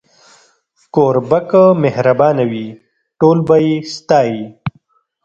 کوربه که مهربانه وي، ټول به يې ستایي.